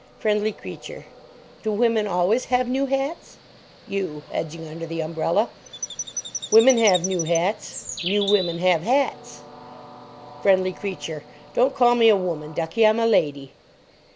FRIENDLY CREATURE. Do women always have new hats? YOU. (edging under the umbrella). Women have new hats. New women have hats. FRIENDLY CREATURE. Don't call me a woman, ducky; I'm a lady.